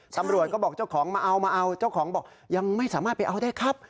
ตำรวจก็บอกเจ้าของมาเอามาเอาเจ้าของบอกยังไม่สามารถไปเอาได้ครับ